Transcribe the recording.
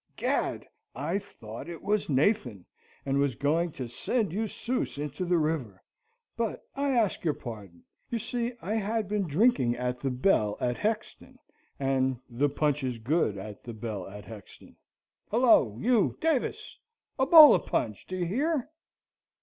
"Gad! I thought it was Nathan, and was going to send you souse into the river. But I ask your pardon. You see I had been drinking at the Bell at Hexton, and the punch is good at the Bell at Hexton. Hullo! you, Davis! a bowl of punch; d'you hear?"